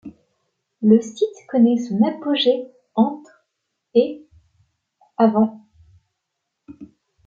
Le site connaît son apogée entre et av.